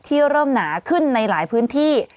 ที่เริ่มหนาขึ้นในหลายพื้นที่